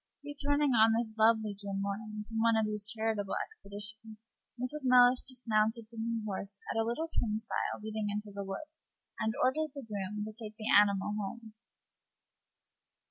Returning on this lovely June morning from one of these charitable expeditions, Mrs. Mellish dismounted from her horse at a little turnstile leading into the wood, and ordered the groom to take the animal home.